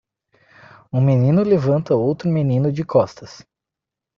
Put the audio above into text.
Um menino levanta outro menino de costas.